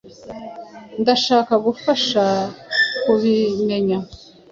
Ndashaka kugufasha kubimenya.